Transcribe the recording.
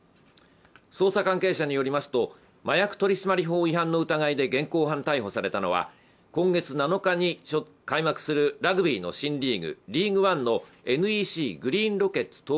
捜査関係者によりますと麻薬取締法違反の疑いで現行犯逮捕されたのは今月７日に開幕するラグビーの新リーグ、ＬＥＡＧＵＥＯＮＥのＮＥＣグリーンロケッツ